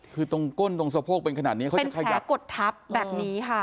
คือตรงก้นตรงสะโพกเป็นขนาดนี้เขาจะขยายกดทับแบบนี้ค่ะ